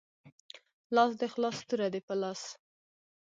لاس دی خلاص توره دی په لاس